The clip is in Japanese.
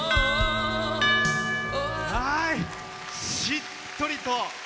しっとりと。